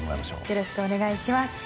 よろしくお願いします。